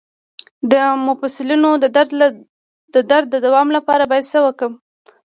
د مفصلونو د درد د دوام لپاره باید څه وکړم؟